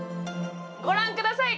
ご覧ください！